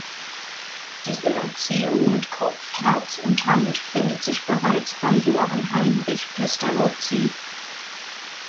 Diese Erziehung mit „Kopf, Herz und Hand“ findet sich bereits bei Johann Heinrich Pestalozzi.